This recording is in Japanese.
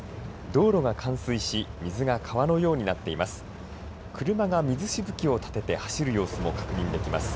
道路が冠水し水が川のようになっています。